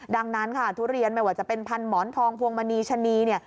ดังนั้นค่ะทุเรียนไม่ว่าจะเป็นพันหมอนทองพวงมณีชะนีเนี่ย